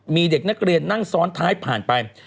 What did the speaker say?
มีเด็กนักเรียนนั่งซ้อนท้ายผ่านไป